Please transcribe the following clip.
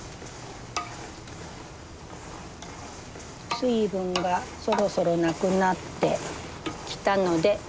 水分がそろそろなくなってきたので。